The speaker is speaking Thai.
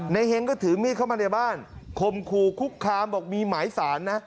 เฮงก็ถือมีดเข้ามาในบ้านคมคู่คุกคามบอกมีหมายสารนะ